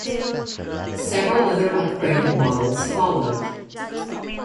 Several other upgraded models followed.